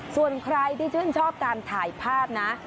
ส่วนใครที่ชื่นชอบการถ่ายภาพนะ